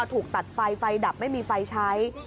ถูกตัดไฟไฟดับไม่มีไฟใช้